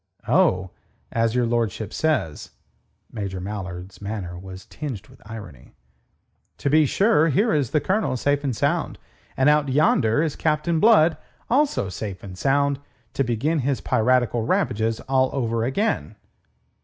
"Oh, as your lordship says." Major Mallard's manner was tinged with irony. "To be sure, here is the Colonel safe and sound. And out yonder is Captain Blood, also safe and sound, to begin his piratical ravages all over again."